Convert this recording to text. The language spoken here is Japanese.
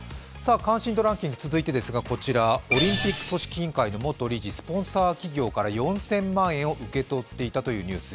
関心度ランキング、続いてはオリンピック組織委員会の元理事、スポンサー企業から４０００万円を受け取っていたというニュース。